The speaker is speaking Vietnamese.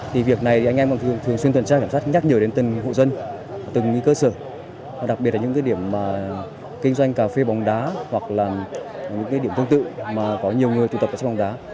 vì việc này thì anh em cũng thường xuyên tuần tra kiểm soát nhắc nhở đến từng hộ dân từng cơ sở đặc biệt là những cái điểm kinh doanh cà phê bóng đá hoặc là những cái điểm công tự mà có nhiều người tụ tập ở trong bóng đá